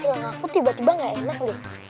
film aku tiba tiba ga enak jin